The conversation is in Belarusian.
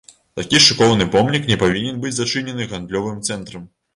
Такі шыкоўны помнік не павінен быць зачынены гандлёвым цэнтрам.